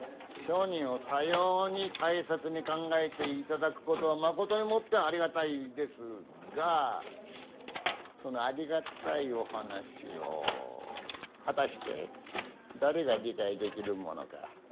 商人をさように大切に考えていただくことはまことにもってありがたいですがそのありがたいお話を果たして誰が理解できるものか。